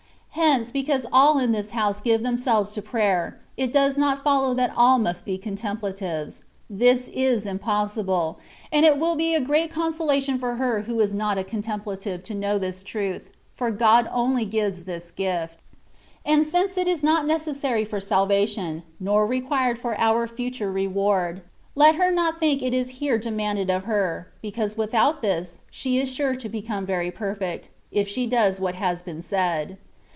Hence, because aU in this house give themselves to prayer, it does not follow that all must be contemplatives : this is impossible, and it will be a great consolationfor her 80 THB WAT OF PEBFECTIOK. who is not a " contemplative'^ to know this truth, for God only gives this gift ; and since it is not necessary for salvation, nor required for our future reward, let her not think that it is here demanded of her, because without this she is sure to become very perfect, if she does what has been said.